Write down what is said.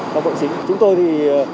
cho bệnh sĩ chúng tôi thì